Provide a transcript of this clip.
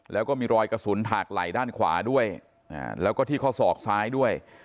แล้วก็มีรอยกระสุนถากไหล่ด้านขวาด้วยแล้วก็ที่ข้อศอกซ้ายด้วย